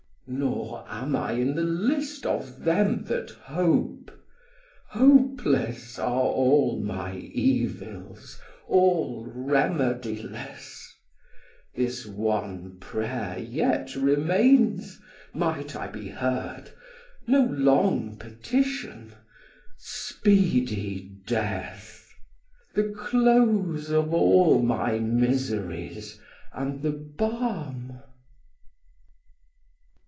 Nor am I in the list of them that hope; Hopeless are all my evils, all remediless; This one prayer yet remains, might I be heard, No long petition, speedy death, 650 The close of all my miseries, and the balm.